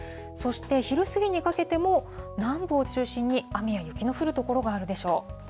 そして昼過ぎにかけても、南部を中心に雨や雪の降る所があるでしょう。